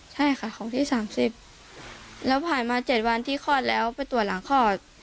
ใช่ค่ะของที่๓๐แล้วผ่านมา๗วันที่คลอดแล้วไปตรวจหลังคลอด